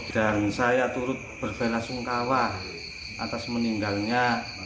dan saya turut berbenah sungkawa atas meninggalnya